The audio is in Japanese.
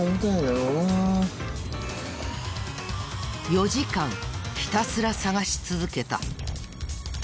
４時間ひたすら捜し続けた。